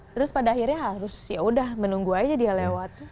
terus pada akhirnya harus yaudah menunggu aja dia lewat